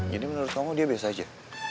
jadi menurut kamu dia biasa aja